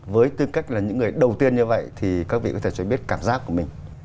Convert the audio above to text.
với tư cách là những người đầu tiên như vậy thì các vị có thể cho biết cảm giác của mình